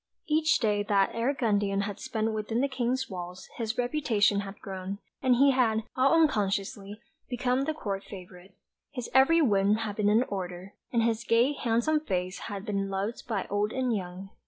Each day that Eric Gundian had spent within the King's walls his reputation had grown, and he had, all unconsciously, become the Court favourite. His every whim had been an order; and his gay handsome face had been loved by old and young.